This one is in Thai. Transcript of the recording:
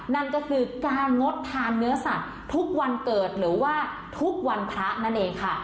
นั่นก็คือการงดทานเนื้อสัตว์ทุกวันเกิดหรือว่าทุกวันพระนั่นเองค่ะ